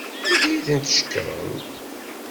Anda ay tent-tceqrem?